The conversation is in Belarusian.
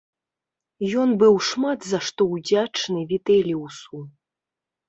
Ён быў шмат за што ўдзячны Вітэліусу.